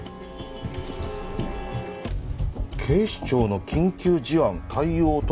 「警視庁の緊急事案対応取調班